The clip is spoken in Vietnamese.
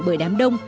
bởi đám đông